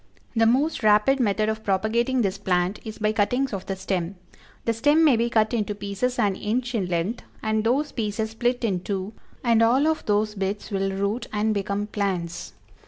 The most rapid method of propagating this plant is by cuttings of the stem; the stem may be cut into pieces an inch in length, and those pieces split in two, and all of those bits will root and become plants.